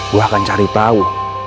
gue akan cari tahu